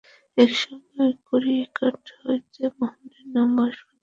একসময় কড়িকাঠ হইতে মহেন্দ্রের অন্যমনস্ক দৃষ্টি সম্মুখের দেয়ালের দিকে নামিয়া আসিল।